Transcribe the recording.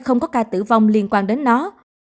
không có ca tử vong liên quan đến nó